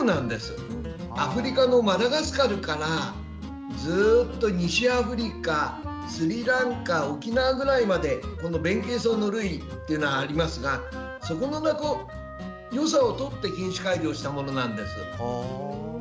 アフリカのマダガスカルからずっと西アフリカ、スリランカ沖縄ぐらいまでベンケイソウ類がありますがそこのよさをとって品種改良したものなんです。